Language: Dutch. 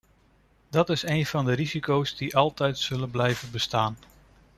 Dat is een van de risico’s die altijd zullen blijven bestaan.